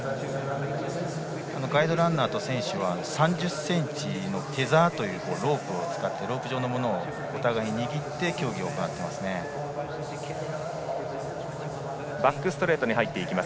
ガイドランナーと選手は３０ｃｍのテザーというロープ状のものをお互い、握って競技を行います。